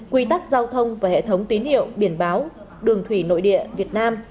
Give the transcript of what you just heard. quy tắc giao thông và hệ thống tín hiệu biển báo đường thủy nội địa việt nam